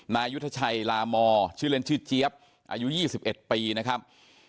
นายยุทธชัยลามอชื่อเล่นชื่อเจี๊ยบอายุ๒๑ปีนะครับ